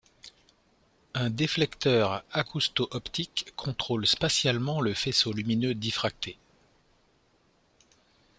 Un déflecteur acousto-optique contrôle spatialement le faisceau lumineux diffracté.